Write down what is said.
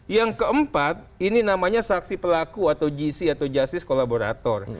yang keempat ini namanya saksi pelaku atau gc atau justice kolaborator